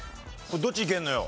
どっちいけんのよ？